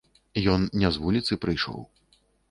Ён не з вуліцы прыйшоў.